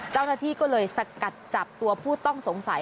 เจ้าหน้าที่ก็เลยสกัดจับตัวผู้ต้องสงสัย